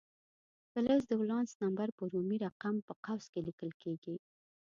فلز د ولانس نمبر په رومي رقم په قوس کې لیکل کیږي.